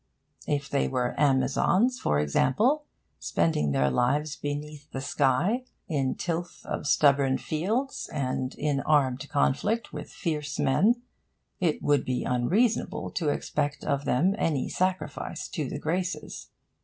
If they were Amazons, for example, spending their lives beneath the sky, in tilth of stubborn fields, and in armed conflict with fierce men, it would be unreasonable to expect of them any sacrifice to the Graces.